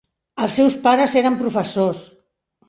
Els seus pares eren professors.